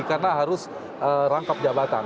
karena harus rangkap jabatan